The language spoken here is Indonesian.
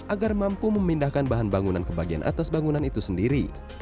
agar mampu memindahkan bahan bangunan ke bagian atas bangunan itu sendiri